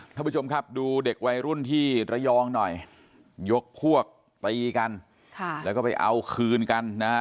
ท่านผู้ชมครับดูเด็กวัยรุ่นที่ระยองหน่อยยกพวกตีกันค่ะแล้วก็ไปเอาคืนกันนะฮะ